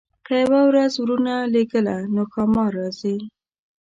که یې یوه ورځ ورونه لېږله نو ښامار راځي.